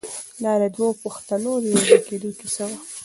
دا د دوو پښتنو د یو ځای کېدو کیسه وه.